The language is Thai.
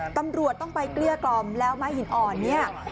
ตำรวจต้องไปเกลี้ยกล่อมแล้วไม้หินอ่อนเนี่ย